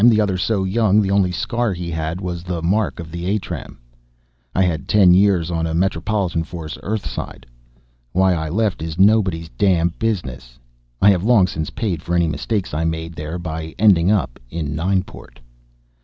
The other so young the only scar he had was the mark of the attram. I had ten years on a metropolitan force, earthside. Why I left is nobody's damn business. I have long since paid for any mistakes I made there by ending up in Nineport.